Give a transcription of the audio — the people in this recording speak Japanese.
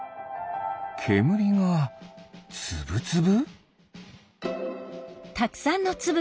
けむりがつぶつぶ？